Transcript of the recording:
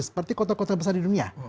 seperti kota kota besar di dunia